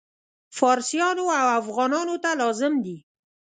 فارسیانو او افغانانو ته لازم دي.